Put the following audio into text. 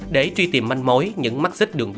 để truy tìm manh mối những mắc xích đường vùng